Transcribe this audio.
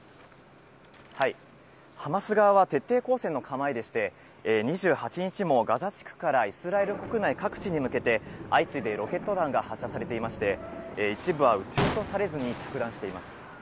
ハマス側は徹底抗戦の構えでして、２８日もガザ地区からイスラエル国内各地に向けて、相次いでロケット弾が発射されていまして、一部は撃ち落とされずに着弾しています。